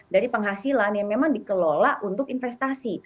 dari penghasilan yang memang dikelola untuk investasi